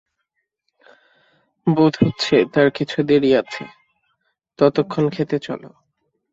বোধ হচ্ছে তার কিছু দেরি আছে, ততক্ষণ খেতে চলো।